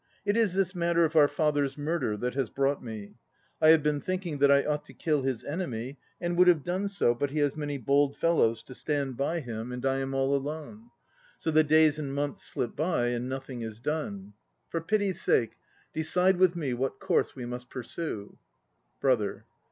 It is this matter of our father's murder that has brought me. I have been thinking that I ought to kill his enemy, and would have done so but he has many bold fellows to stand by him 165 166 THE NO PLAYS OF JAPAN and I am all alone. So the days and months slip by and nothing is done. For pity's sake, decide with me what course we must pursue. BROTHER.